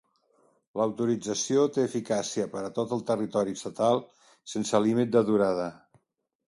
L'autorització té eficàcia per a tot el territori estatal, sense límit de durada.